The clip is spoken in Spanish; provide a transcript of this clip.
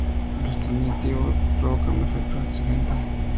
Los taninos provocan un efecto astringente.